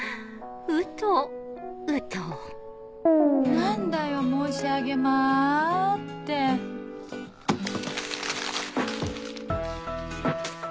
何だよ「申し上げま」ってん。